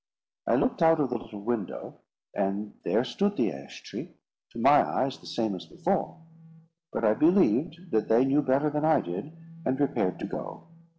I looked out of the little window, and there stood the ash tree, to my eyes the same as before; but I believed that they knew better than I did, and prepared to go.